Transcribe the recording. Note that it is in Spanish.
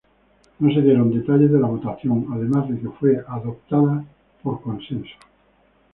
No se dieron detalles de la votación además de que fue adoptada "por consenso".